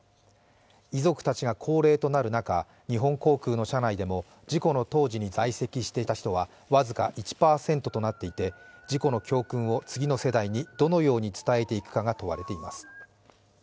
遺族たちが恒例となる中日本航空の社内でも事故の当時に在籍していた人は僅か１％となっていて事故の教訓を次の世代にどのように伝えていくかが問われています。